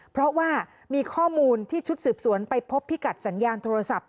เพราะว่ามีข้อมูลที่ชุดสืบสวนไปพบพิกัดสัญญาณโทรศัพท์